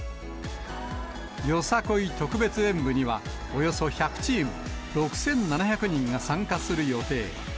よさこい特別演舞には、およそ１００チーム、６７００人が参加する予定。